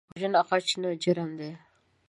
وژنه غچ نه، جرم دی